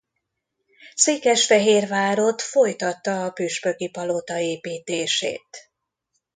Székesfehérvárott folytatta a püspöki palota építését.